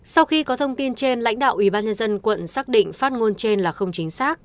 sau khi có thông tin trên lãnh đạo ubnd quận xác định phát ngôn trên là không chính xác